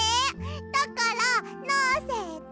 だからのせて！